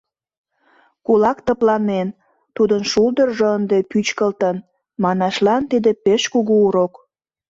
«Кулак тыпланен, тудын шулдыржо ынде пӱчкылтын» манашлан тиде пеш кугу урок.